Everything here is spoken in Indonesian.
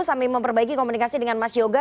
sambil memperbaiki komunikasi dengan mas yoga